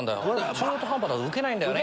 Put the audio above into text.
中途半端だとウケないんだよね。